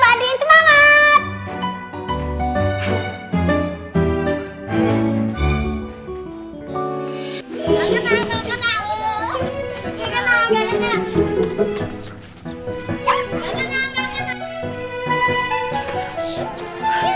mbak andien semangat